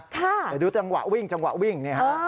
แต่ดูจังหวะวิ่งจังหวะวิ่ง